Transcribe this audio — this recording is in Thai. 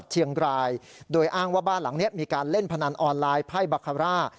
หลังนี้มีการเล่นพนันออนไลน์ไพ่บาคารา